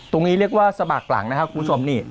ตรงนี้เรียกว่าสมัครหลังนะครับคุณผู้ชมนี่